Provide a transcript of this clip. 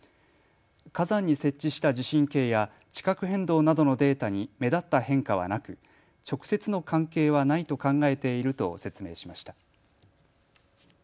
火山に設置した地震計や地殻変動などのデータに目立った変化はなく直接の関係はないと考えていると説明しました。